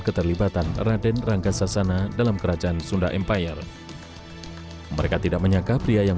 keterlibatan raden ranggasasana dalam kerajaan sunda empire mereka tidak menyangka pria yang